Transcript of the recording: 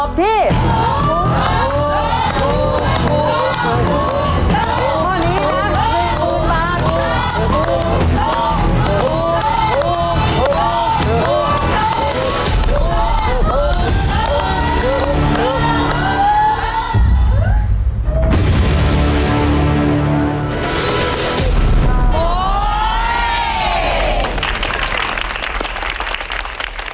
ผู้ปีก